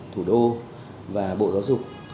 thủ đô và bộ giáo dục